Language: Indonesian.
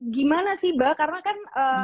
gimana sih mbak karena kan